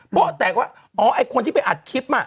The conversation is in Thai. โป๊ะแตกว่าอ๋อไอ้คนที่ไปอัดคลิปมา